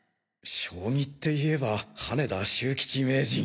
将棋っていえば羽田秀名人！